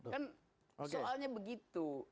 kan soalnya begitu